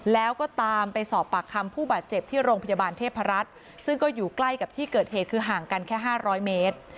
แล้วก็ตามไปสอบปากคำผู้บาดเจ็บที่โรงพยาบาลเทพรัฐซึ่งก็อยู่ใกล้กับที่เกิดเหตุคือห่างกันแค่๕๐๐เมตร